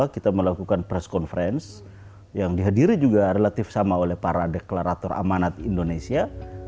dua ribu dua puluh dua kita melakukan press conference yang dihadiri juga relatif sama oleh para deklarator amanat indonesia